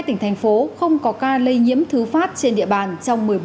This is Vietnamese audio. một mươi hai tỉnh thành phố không có ca lây nhiễm thứ phát trên địa bàn trong một mươi bốn ngày